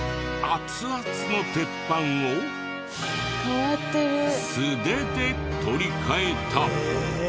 アツアツの鉄板を素手で取り換えた。